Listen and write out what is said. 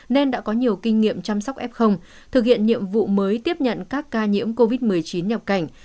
nên đã có nhiều kinh nghiệm chăm sóc f thực hiện nhiệm vụ mới tiếp nhận các ca nhiễm covid một mươi chín nhập cảnh